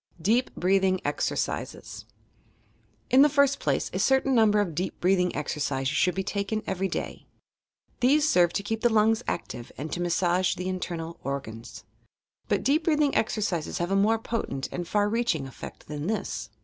DEEP BREATHING EXERCISES In the first place, a certain number of decp breathingr exercises should he taken every day. These serve to keep the lungs active and to massage the internal organs. But deep breathing exercises have a more potent and far reaching effect than this.